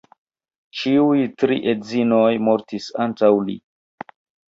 Ĉiuj tri edzinoj mortis antaŭ li.